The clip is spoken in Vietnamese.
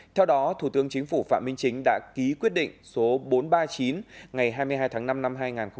theo đó thủ tướng chính phủ phạm minh chính đã ký quyết định số bốn trăm ba mươi chín ngày hai mươi hai tháng năm năm hai nghìn một mươi chín